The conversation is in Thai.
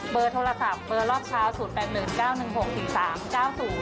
โทรศัพท์เบอร์รอบเช้า๐๘๑๙๑๖๔๓๙๐